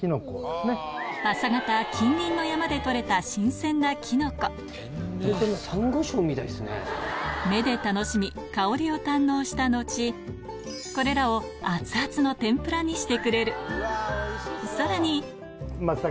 朝方近隣の山で採れた新鮮なきのこ目で楽しみ香りを堪能した後これらをアツアツの天ぷらにしてくれるさらに松茸。